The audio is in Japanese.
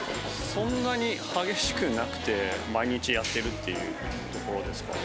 そんなに激しくなくて、毎日やってるっていうところですかね。